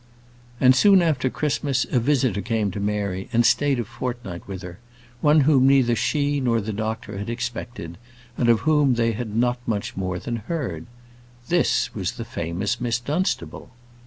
And soon after Christmas a visitor came to Mary, and stayed a fortnight with her: one whom neither she nor the doctor had expected, and of whom they had not much more than heard. This was the famous Miss Dunstable.